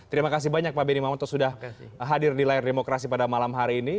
terima kasih banyak pak benny mamoto sudah hadir di layar demokrasi pada malam hari ini